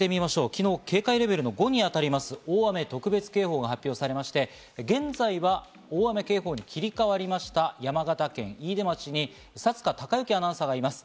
昨日、警戒レベル５に当たります大雨特別警報が発表されまして、現在は大雨警報に切り替わりました山形県飯豊町に佐塚崇恭アナウンサーがいます。